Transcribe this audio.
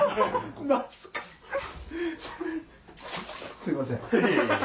すいません。